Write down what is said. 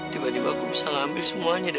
tiba tiba aku bisa ngambil semuanya dari dia